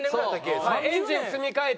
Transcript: エンジン積み替えてね。